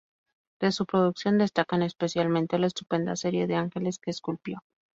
De su producción destacan especialmente la estupenda serie de ángeles que esculpió.